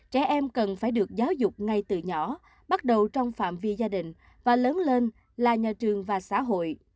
trẻ em cần phải được giáo dục ngay từ nhỏ bắt đầu trong phạm vi gia đình và lớn lên là nhà trường và xã hội